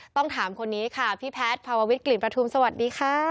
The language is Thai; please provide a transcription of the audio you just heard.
ต้องถามคนนี้ค่ะพี่แพทย์ภาววิทกลิ่นประทุมสวัสดีค่ะ